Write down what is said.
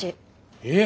えっ？